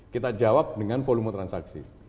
kita jawab dengan volume transaksi